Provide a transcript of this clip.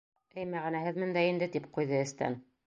Эй мәғәнәһеҙмен дә инде, тип ҡуйҙы эстән.